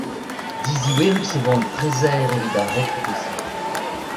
Diziouerus e vo an trezer evit ar rekipe-se.